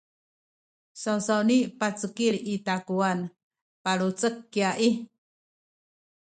sawsawni pacekil i takuwan palucek kya i